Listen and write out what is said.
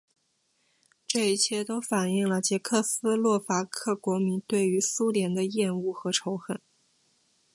这一切都反映了捷克斯洛伐克国民对于苏联的厌恶和仇恨。